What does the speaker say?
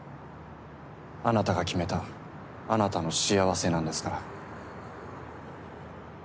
あなたが決めたあなたの幸せなんですから。